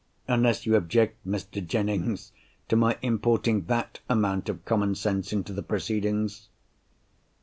Unless you object, Mr. Jennings, to my importing that amount of common sense into the proceedings?"